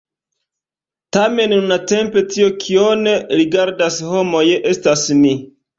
Tamen, nuntempe, tio, kion rigardas homoj, estas mi!